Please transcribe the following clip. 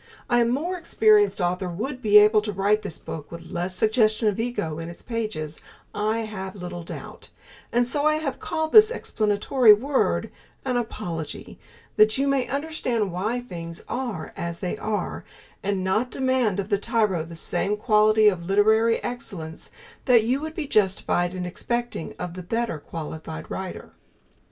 A more experienced author would be able to write this book with less suggestion of ego in its pages, I have little doubt, and so I have called this explanatory word An Apology that you may understand why things are as they are, and not demand of the tyro the same quality of literary excellence that you would be justified in expecting of the better qualified writer.